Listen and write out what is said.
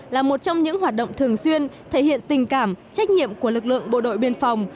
là một trong những hoạt động thường xuyên thể hiện tình cảm trách nhiệm của lực lượng bộ đội biên phòng